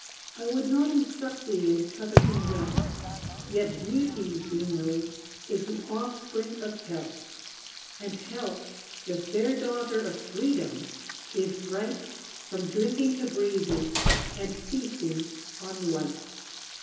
I would not instruct thee in coveting wealth; Yet beauty, we know, is the offspring of health; And health, the fair daughter of freedom! is bright From drinking the breezes, and feasting on light.